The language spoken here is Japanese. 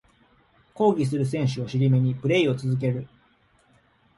抗議する選手を尻目にプレイを続ける